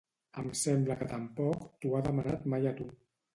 Em sembla que tampoc t'ho ha demanat mai a tu